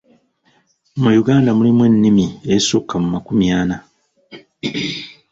Mu Uganda mulimu ennimi ezisukka mu makumi ana.